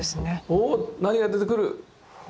おっ何が出てくる？